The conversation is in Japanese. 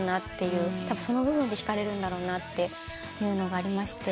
たぶんその部分で引かれるんだろうなって思うのがありまして。